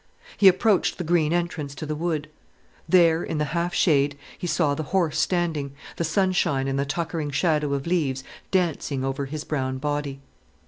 He approached the green entrance to the wood. There, in the half shade, he saw the horse standing, the sunshine and the tuckering shadow of leaves dancing over his brown body.